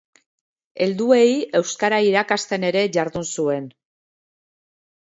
Helduei euskara irakasten ere jardun zuen.